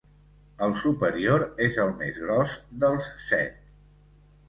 El superior és el més gros dels set.